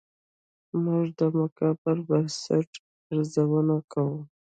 موږ د مقام پر بنسټ ارزونه کوو.